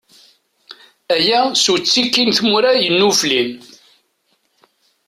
Aya, s uttiki n tmura yennuflin.